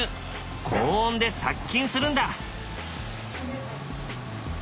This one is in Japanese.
高温で殺菌するんだ。